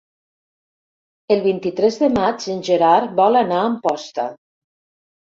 El vint-i-tres de maig en Gerard vol anar a Amposta.